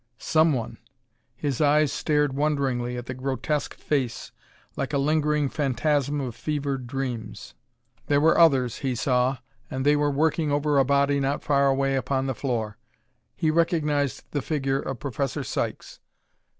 Someone! His eyes stared wonderingly at the grotesque face like a lingering phantasm of fevered dreams. There were others, he saw, and they were working over a body not far away upon the floor. He recognized the figure of Professor Sykes.